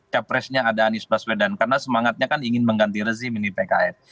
capresnya ada anies baswedan karena semangatnya kan ingin mengganti rezim ini pks